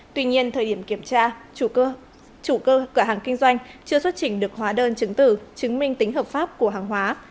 tuy nhiên thời điểm kiểm tra chủ cơ hàng kinh doanh chưa xuất trình được hóa đơn chứng tử chứng minh tính hợp pháp của hàng hóa